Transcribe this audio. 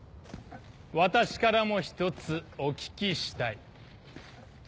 私からも１つお聞きしたい。